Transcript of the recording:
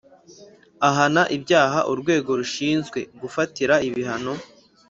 ahana ibyaha urwego rushinzwe gufatira ibihano